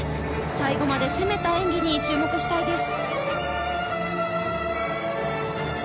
最後まで攻めた演技に注目したいです。